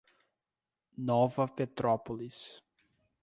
Nova Petrópolis